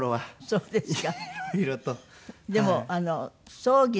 そうですね。